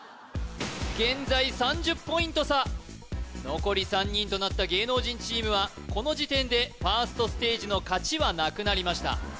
現在３０ポイント差残り３人となった芸能人チームはこの時点でファーストステージの勝ちはなくなりました